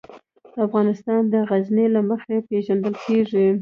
افغانستان د غزني له مخې پېژندل کېږي.